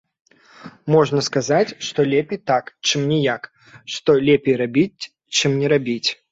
Можна сказаць, што лепей так, чым ніяк, што лепей рабіць, чым не рабіць.